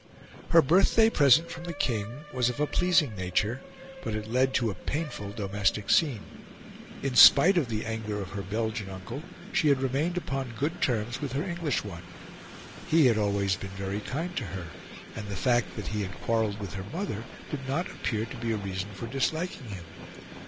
Her birthday present from the King was of a pleasing nature, but it led to a painful domestic scene. In spite of the anger of her Belgian uncle, she had remained upon good terms with her English one. He had always been very kind to her, and the fact that he had quarrelled with her mother did not appear to be a reason for disliking him.